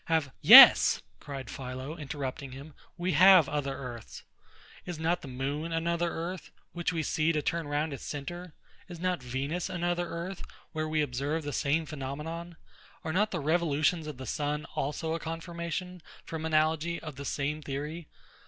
Have... Yes! cried PHILO, interrupting him, we have other earths. Is not the moon another earth, which we see to turn round its centre? Is not Venus another earth, where we observe the same phenomenon? Are not the revolutions of the sun also a confirmation, from analogy, of the same theory?